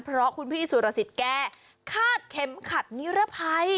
เพราะคุณพี่สุรสิทธิ์แก้คาดเข็มขัดนิรภัย